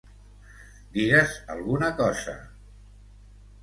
Digues alguna cosa!